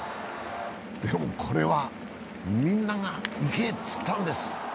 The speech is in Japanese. でもこれはみんなが行けって言ったんです。